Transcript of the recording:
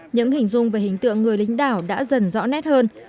những hình dung về hình tượng người lính đảo đã dần rõ nét hơn